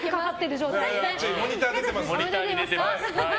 モニターに出ています。